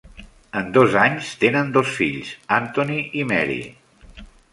En dos anys, tenen dos fills, Anthony i Mary.